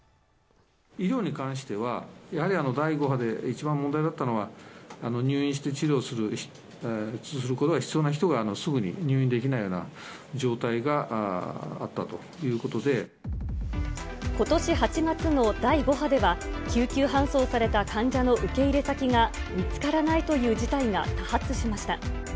医療に関しては、やはり第５波で一番問題だったのは、入院して治療することが必要な人がすぐに入院できないような状態ことし８月の第５波では、救急搬送された患者の受け入れ先が見つからないという事態が多発しました。